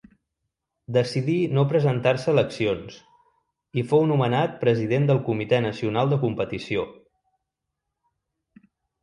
Decidí no presentar-se a eleccions i fou nomenat president del Comitè Nacional de Competició.